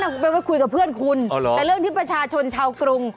คุณไปคุยกับเพื่อนคุณแต่เรื่องที่ประชาชนชาวกรุง